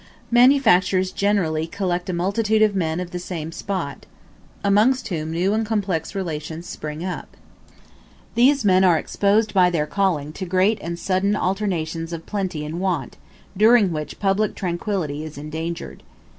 Manufactures generally collect a multitude of men of the same spot, amongst whom new and complex relations spring up. These men are exposed by their calling to great and sudden alternations of plenty and want, during which public tranquillity is endangered.